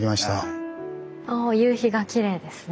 あぁ夕日がきれいですね。